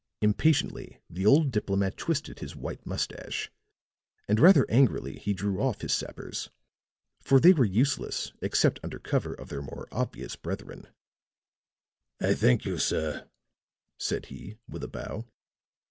Impatiently the old diplomat twisted his white moustache; and rather angrily he drew off his sappers, for they were useless except under cover of their more obvious brethren. "I thank you, sir," said he, with a bow.